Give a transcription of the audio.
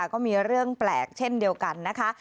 ก็มีเรื่องแปลกเช่นเดียวกันนะคะ